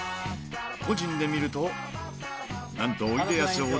個人で見るとなんとおいでやす